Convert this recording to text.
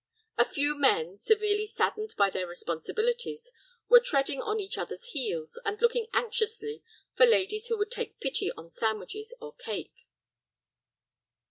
A few men, severely saddened by their responsibilities, were treading on each other's heels, and looking anxiously for ladies who would take pity on sandwiches or cake.